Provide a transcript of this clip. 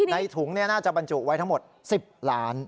ในถุงน่าจะบรรจุไว้ทั้งหมด๑๐ล้าน